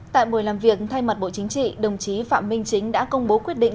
tại buổi làm việc thay mặt bộ chính trị đồng chí phạm minh chính đã công bố quyết định